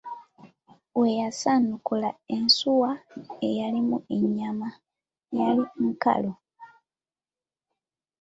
We yasaanukula ensuwa eyalimu ennyama, yali nkalu!